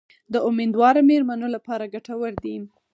د امیندواره میرمنو لپاره ګټور دي.